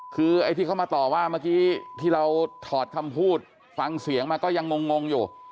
คือไอ้ที่เขามาต่อว่าเมื่อกี้ที่เราถอดคำพูดฟังเสียงมาก็ยังงงอยู่